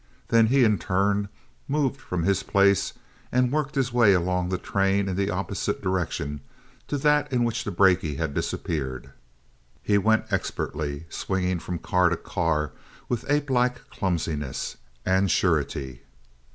Then he, in turn, moved from his place, and worked his way along the train in the opposite direction to that in which the brakie had disappeared. He went expertly, swinging from car to car with apelike clumsiness and surety.